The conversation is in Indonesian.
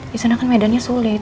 di sana kan medannya sulit